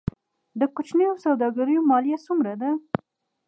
د کوچنیو سوداګریو مالیه څومره ده؟